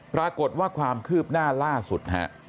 ปรากฏว่าความคืบหน้าล่าสุดฮะ